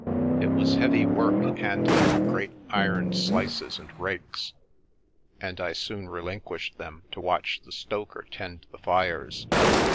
It was heavy work handling the great iron slices and rakes, and I soon relinquished them to watch the stoker tend the fires.